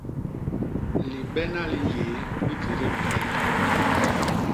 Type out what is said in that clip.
Libena li nyéé ikédé bikay.